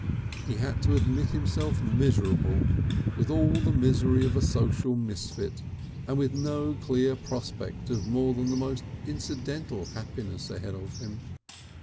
He had to admit himself miserable with all the misery of a social misfit, and with no clear prospect of more than the most incidental happiness ahead of him.